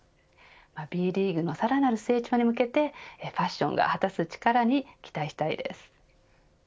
Ｂリーグのさらなる成長に向けてファッションが果たす力に期待したいです。